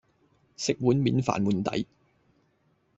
食碗面反碗底